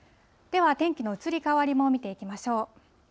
では天気の移り変わりも見ていきましょう。